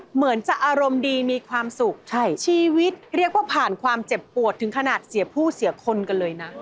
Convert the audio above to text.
เหมือนจะอารมณ์ดีมีความสุขชีวิตเรียกว่าผ่านความเจ็บปวดถึงขนาดเสียผู้เสียคนกันเลยนะ